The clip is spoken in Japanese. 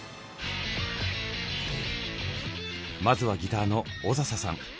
まずはギターの小笹さん。